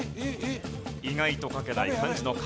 意外と書けない漢字の書き問題。